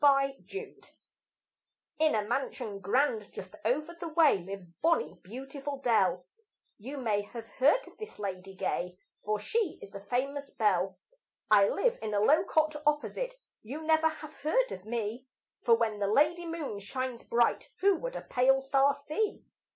DELL AND I In a mansion grand, just over the way Lives bonny, beautiful Dell; You may have heard of this lady gay, For she is a famous belle. I live in a low cot opposite You never have heard of me; For when the lady moon shines bright, Who would a pale star see?